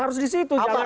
harus di situ